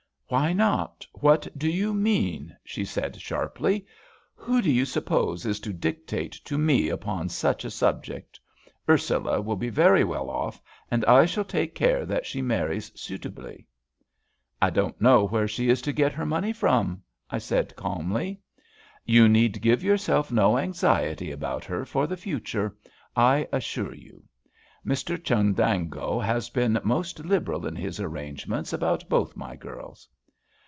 "Why not? What do you mean?" she said, sharply. "Who do you suppose is to dictate to me upon such a subject? Ursula will be very well off, and I shall take care that she marries suitably." "I don't know where she is to get her money from," I said, calmly. "You need give yourself no anxiety about her for the future, I assure you. Mr Chundango has been most liberal in his arrangements about both my girls."